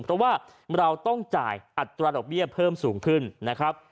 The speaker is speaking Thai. เพราะว่าเราต้องจ่ายอัตราดอกเบี้ยเพิ่มสูงขึ้นนะครับ